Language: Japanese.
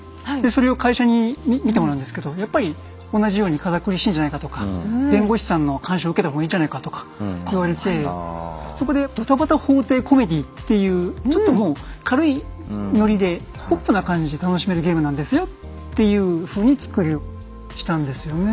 それを会社に見てもらうんですけどやっぱり同じように「堅苦しいんじゃないか」とか「弁護士さんの監修を受けた方がいいんじゃないか」とか言われてそこで「ドタバタ法廷コメディー」っていうちょっともう軽いノリで「ポップな感じで楽しめるゲームなんですよ」っていうふうに作りをしたんですよね。